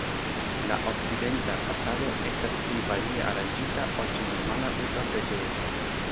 La okcidenta fasado estas pli varie aranĝita ol ĉe normala urba preĝejo.